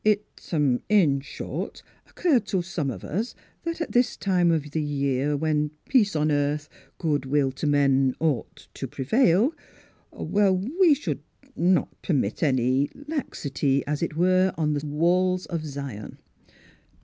" It — er — in short occurred to some of us » that at this time of the year when peace on earth, good will to men ought to pre vail, we — er — should not permit any Miss Philura's Wedding Goivn laxity, as it were, on the walls of Zion.